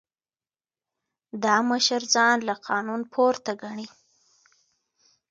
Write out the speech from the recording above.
دا مشر ځان له قانون پورته ګڼي.